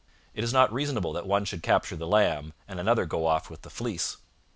It is not reasonable that one should capture the lamb and another go off with the fleece.